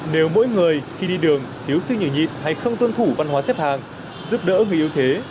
nếu mỗi người khi đi đường thiếu sức nhiều nhịp hay không tuân thủ văn hóa xếp hàng giúp đỡ người yếu thế